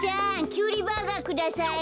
キュウリバーガーください。